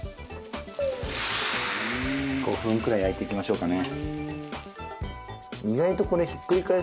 ５分くらい焼いていきましょうかね。